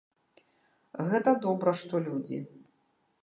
Гэта добра, што людзі.